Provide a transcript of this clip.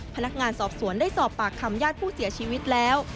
พนักงานสอบสวนได้สอบปากคำญาติผู้เสียชีวิตแล้ว